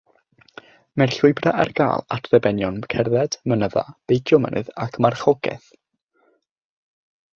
Mae'r llwybrau ar gael at ddibenion cerdded, mynydda, beicio mynydd a marchogaeth.